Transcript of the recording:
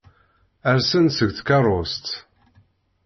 Rsen-d seg tkeṛṛust.